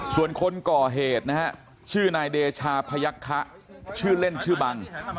ส่วนคนก่อเหตุนะฮะชื่อนายเดชาพยักษะชื่อเล่นชื่อบัง